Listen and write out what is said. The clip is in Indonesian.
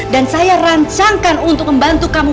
dan saya rancangkan untuk membantu kamu